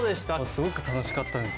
すごく楽しかったです。